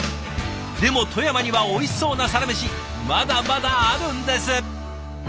でも富山にはおいしそうなサラメシまだまだあるんです！